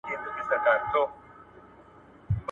لمر د تودوخې له امله اوبه په بړاس بدلوي.